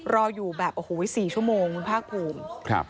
รออยู่แบบ๔ชั่วโมงภาคภูมิ